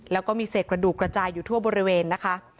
แล้วก็มีเศษกระดูกกระจายอยู่ทั่วบริเวณนะคะ